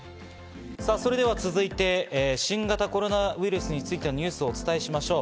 続いて新型コロナウイルスについてのニュースをお伝えしましょう。